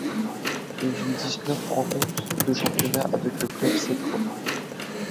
Il joue dix-neuf rencontres de championnat avec le club sétois.